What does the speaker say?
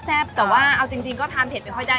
แต่ว่าเอาจริงก็ทานเผ็ดมั๊ย